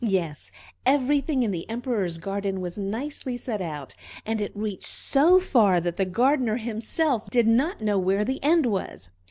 Yes, everything in the Emperor's garden was nicely set out, and it reached so far that the gardener himself did not know where the end was.